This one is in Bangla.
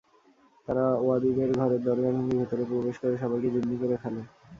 তারা ওয়াদুদের ঘরের দরজা ভেঙে ভেতরে প্রবেশ করে সবাইকে জিম্মি করে ফেলে।